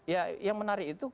ya yang menarik itu